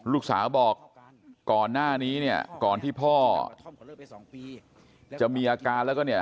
ลูกสาวบอกก่อนหน้านี้เนี่ยก่อนที่พ่อจะมีอาการแล้วก็เนี่ย